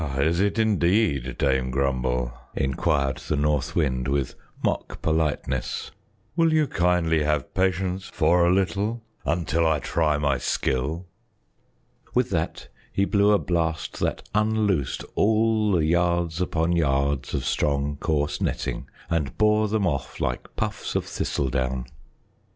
is it indeed, Dame Grumble?" inquired the North Wind with mock politeness. "Will you kindly have patience for a little until I try my skill?" With that he blew a blast that unloosed all the yards upon yards of strong, coarse netting and bore them off like puffs of thistledown.